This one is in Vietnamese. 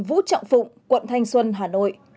vũ trọng phụng quận thanh xuân hà nội